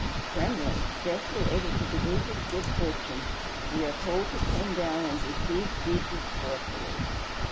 Trembling, scarce able to believe his good fortune, we are told he came down and received Jesus joyfully.